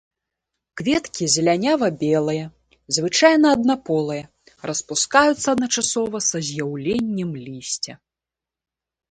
Кветкі зелянява-белыя, звычайна аднаполыя, распускаюцца адначасова са з'яўленнем лісця.